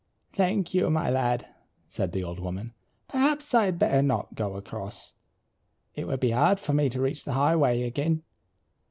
"Thank you, my lad," said the old woman. "Perhaps I'd better not go across. It would be hard for me to reach the highway again.